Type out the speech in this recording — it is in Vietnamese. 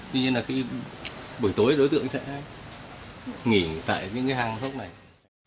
tuy nhiên là buổi tối đối tượng sẽ nghỉ tại những hang hốc này